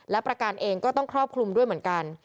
และประการเองก็ต้องครอบคลุมด้วยเหมือนกัน